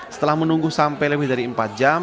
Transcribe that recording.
setelah menunggu sampai lebih dari empat jam